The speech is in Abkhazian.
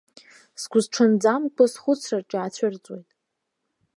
Сгәысҽанӡамкәа схәыцраҿ иаацәырҵуеит.